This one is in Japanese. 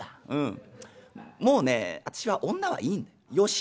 もうね私は女はいいんだよ。